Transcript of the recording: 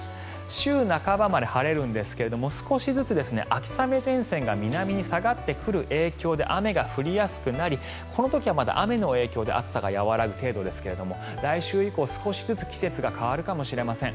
週半ばまで晴れるんですが少しずつ秋雨前線が南に下がってくる影響で雨が降りやすくなりこの時はまだ雨の影響で暑さが和らぐ程度ですが来週以降、少しずつ季節が変わるかもしれません。